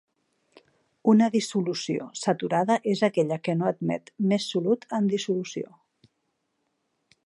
Una dissolució saturada és aquella que no admet més solut en dissolució.